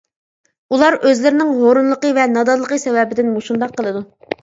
ئۇلار ئۆزلىرىنىڭ ھۇرۇنلۇقى ۋە نادانلىقى سەۋەبىدىن مۇشۇنداق قىلىدۇ.